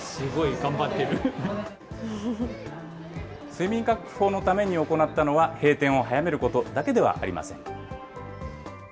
睡眠確保のために行ったのは、閉店を早めることだけではありません。